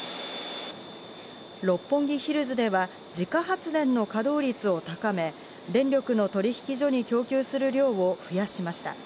六本木ヒルズでは自家発電の稼働率を高め、電力の取引所に供給する量を増やしました。